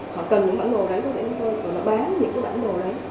họ cần những bản đồ đấy có thể chúng tôi bán những cái bản đồ đấy